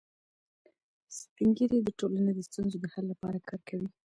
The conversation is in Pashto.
سپین ږیری د ټولنې د ستونزو د حل لپاره کار کوي